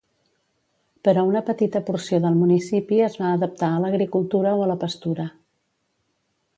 Però una petita porció del municipi es va adaptar a l'agricultura o a la pastura.